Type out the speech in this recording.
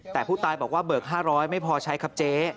แต่ผู้ตายบอกว่าเบิก๕๐๐ไม่พอใช้ครับเจ๊